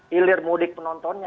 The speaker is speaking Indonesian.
hilir mudik penontonnya